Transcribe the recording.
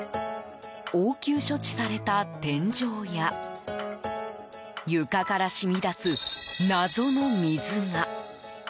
応急処置された天井や床から染み出す謎の水が。